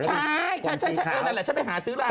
ใช่ใช่ใช่ใช่เออนั่นแหละฉันไปหาซื้อร้านนั้น